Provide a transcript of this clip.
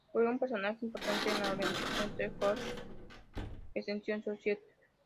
Fue un personaje importante de la organización The Catholic Church Extension Society.